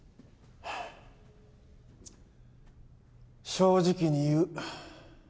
正直に言う。